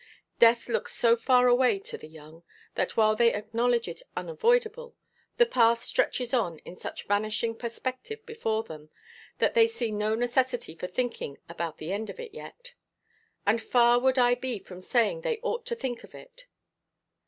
Death looks so far away to the young, that while they acknowledge it unavoidable, the path stretches on in such vanishing perspective before them, that they see no necessity for thinking about the end of it yet; and far would I be from saying they ought to think of it.